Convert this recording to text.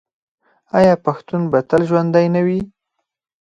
آیا پښتون به تل ژوندی نه وي؟